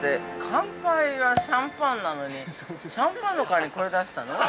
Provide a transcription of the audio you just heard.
乾杯はシャンパンなのに、シャンパンのかわりにこれ出したの？